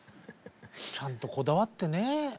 ちゃんとこだわってね。